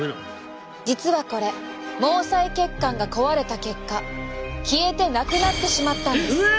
実はこれ毛細血管が壊れた結果消えてなくなってしまったんです！